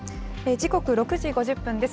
時刻６時５０分です。